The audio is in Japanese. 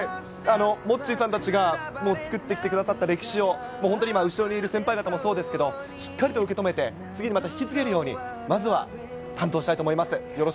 モッチーさんたちが、もう作ってきてくださった歴史を、もう本当に今、後ろにいる先輩方もそうですけど、しっかりと受け止めて、次にまた引き継げるように、まずは担当したいと思います。